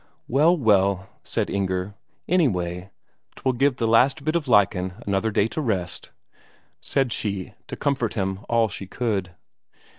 "Well, well," said Inger; "anyway, 'twill give the last bit of lichen another day to dry," said she to comfort him all she could.